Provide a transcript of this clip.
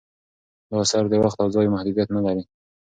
دا اثر د وخت او ځای محدودیت نه لري.